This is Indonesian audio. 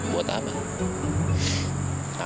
aku ga punya perasaan apa apa sama dia